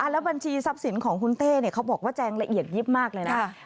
แล้วบัญชีทรัพย์สินของคุณเต้เขาบอกว่าแจงละเอียดยิบมากเลยนะ